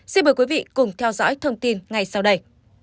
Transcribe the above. xin mời quý vị cùng theo dõi thông tin ngay sau đây